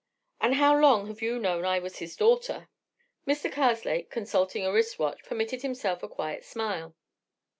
"And how long have you known I was his daughter?" Mr. Karslake, consulting a wrist watch, permitted himself a quiet smile.